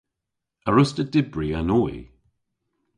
A wruss'ta dybri an oy?